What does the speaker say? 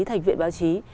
thành viện báo chí